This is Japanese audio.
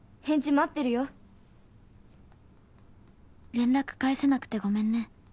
「連絡返せなくてごめんね。